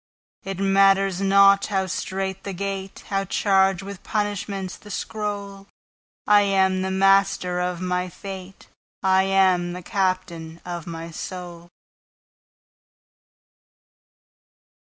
It matters not how strait the gate, How charged with punishments the scroll,I am the master of my fate:I am the captain of my soul.